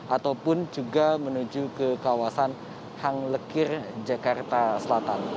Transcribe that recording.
ataupun juga menuju ke kawasan hang lekir jakarta selatan